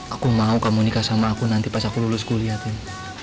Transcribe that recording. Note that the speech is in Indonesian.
aku mau kamu nikah sama aku nanti pas aku lulus kuliahin